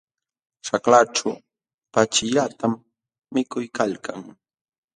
Ćhaklaćhu pachillatam mikuykalkan.